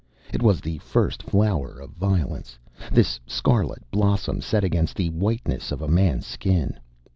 It was the first flower of violence, this scarlet blossom set against the whiteness of a Man's skin.